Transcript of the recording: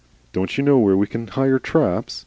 "Don't you know where we can hire traps?"